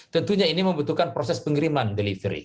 tentunya ini membutuhkan proses pengiriman delivery